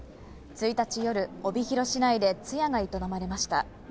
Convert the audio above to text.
１日夜、帯広市内で通夜が営まれました。